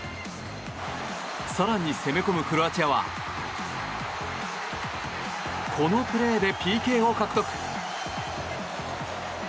更に攻め込むクロアチアはこのプレーでＰＫを獲得。